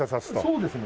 そうですね。